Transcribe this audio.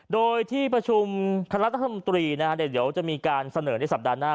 โดยที่ประชุมคณะรัฐมนตรีเดี๋ยวจะมีการเสนอในสัปดาห์หน้า